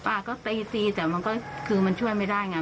อ่าก็ตีตีแต่มันก็คือมันช่วยไม่ได้ไง